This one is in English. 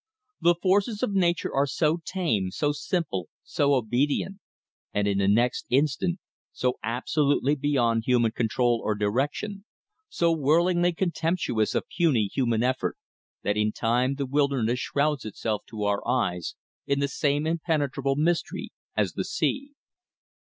The forces of nature are so tame, so simple, so obedient; and in the next instant so absolutely beyond human control or direction, so whirlingly contemptuous of puny human effort, that in time the wilderness shrouds itself to our eyes in the same impenetrable mystery as the sea.